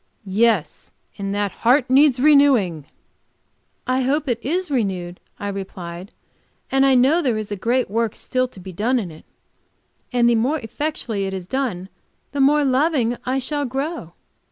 "Yes; and that heart needs renewing." "I hope it is renewed," I replied. "But I know there is a great work still to be done in it. And the more effectually it is done the more loving I shall grow.